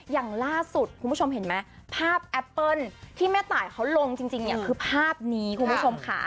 อย่างล่าสุดผ้าแอปเปิ้ลที่แม่ตายเขาลงคือภาพนี้คุณผู้ชม